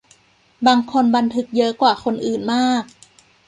บางคนบันทึกเยอะกว่าคนอื่นมาก